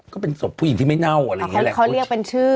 ก็เป็นศพผู้หญิงที่ไม่เน่าอะไรอย่างเงี้แหละเขาเรียกเป็นชื่อ